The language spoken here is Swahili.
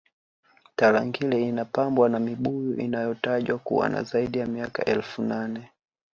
tarangire inapambwa na mibuyu inayotajwa kuwa na zaidi ya miaka elfu nane